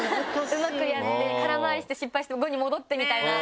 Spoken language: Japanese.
うまくやって空回りして失敗して５に戻ってみたいな。